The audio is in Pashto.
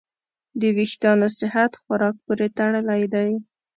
د وېښتیانو صحت خوراک پورې تړلی دی.